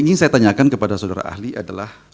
ingin saya tanyakan kepada saudara ahli adalah